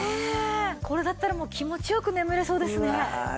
これだったらもう気持ち良く眠れそうですね。